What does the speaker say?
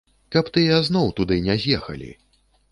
Каб тыя зноў туды не з'ехалі.